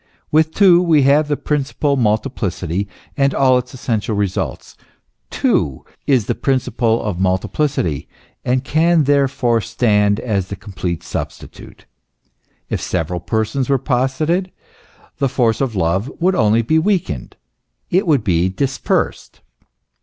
With two we have the principle of multiplicity and all its essential results. Two is the principle of multiplicity, and can therefore stand as its complete substitute. If several Persons were posited, the force of love would only be weakened it would be dispersed.